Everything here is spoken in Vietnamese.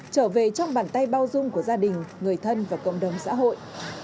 trở về trong bàn tay bao dung của gia đình người thân và cộng đồng xã hội